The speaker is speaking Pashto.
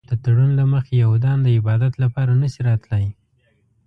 د تړون له مخې یهودان د عبادت لپاره نه شي راتلی.